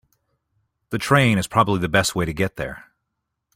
The train is probably the best way to get there.